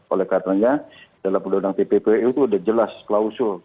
oleh katanya dalam undang undang tpp itu sudah jelas klausur